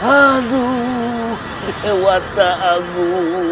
aduh dewa tak abu